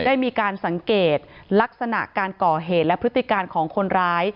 ได้มีการสังเกตลักษณะการก่อเหตุและพฤติการของคนร้าย